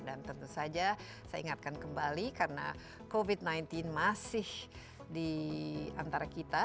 dan tentu saja saya ingatkan kembali karena covid sembilan belas masih di antara kita